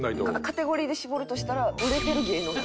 カテゴリーで絞るとしたら売れてる芸能人。